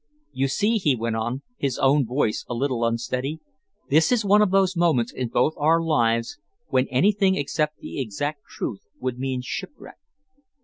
"You see," he went on, his own voice a little unsteady, "this is one of those moments in both our lives when anything except the exact truth would mean shipwreck.